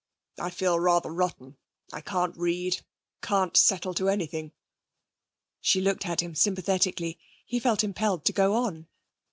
'I feel rather rotten. I can't read, can't settle to anything.' She looked at him sympathetically. He felt impelled to go on.